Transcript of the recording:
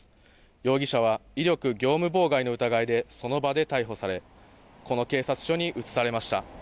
容疑者は威力業務妨害の疑いでその場で逮捕されこの警察署に移されました。